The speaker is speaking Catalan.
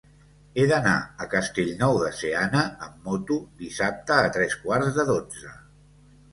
He d'anar a Castellnou de Seana amb moto dissabte a tres quarts de dotze.